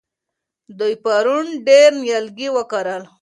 دوی پرون ډېر نیالګي وکرل.